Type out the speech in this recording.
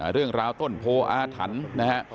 เรื่องราวต้นโพออาถรรพ์นะฮะ